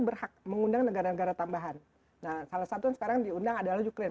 berhak mengundang negara negara tambahan nah salah satu yang sekarang diundang adalah ukraine